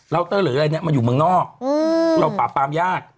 เตอร์หรืออะไรเนี่ยมันอยู่เมืองนอกเราปราบปรามยาก